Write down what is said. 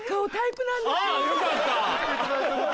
あよかった。